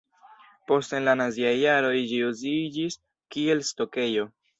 Poste en la naziaj jaroj ĝi uziĝis kiel stokejo.